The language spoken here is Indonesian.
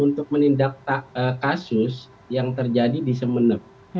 untuk menindak kasus yang terjadi di sumeneb